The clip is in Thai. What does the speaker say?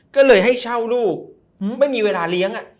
ก็เลยให้เช่าลูกไม่มีเวลาเลี้ยง